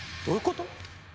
どういうこと？